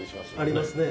ありますね。